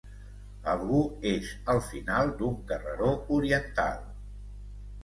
Algú és al final d'un carreró oriental.